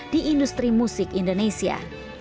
di industri musik indonesia